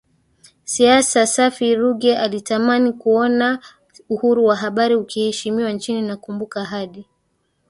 siasa safi Ruge alitamani kuona uhuru wa habari ukiheshimiwa nchini Nakumbuka hadi